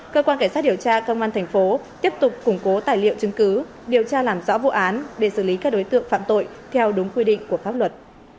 đại công an tp hcm tiếp tục củng cố tài liệu chứng cứ điều tra làm rõ vụ án để xử lý các đối tượng phạm tội theo đúng quy định của pháp luật